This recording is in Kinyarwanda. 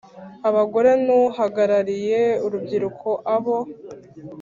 Abagore n uhagarariye urubyiruko abo